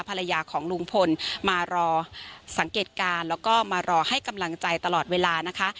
ภรรยาของลุงพลมารอสังเกตการณ์แล้วก็มารอให้กำลังใจตลอดเวลานะคะ